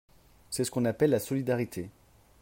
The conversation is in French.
C’est ce qu’on appelle la solidarité.